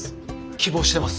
希望してます。